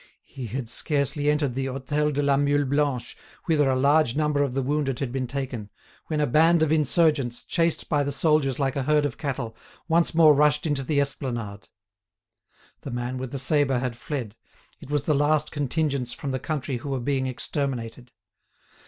He had scarcely entered the Hôtel de la Mule Blanche, whither a large number of the wounded had been taken, when a band of insurgents, chased by the soldiers like a herd of cattle, once more rushed into the esplanade. The man with the sabre had fled; it was the last contingents from the country who were being exterminated.